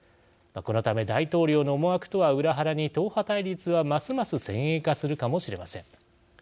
このため大統領の思惑とは裏腹に党派対立は、ますます先鋭化するかもしれません。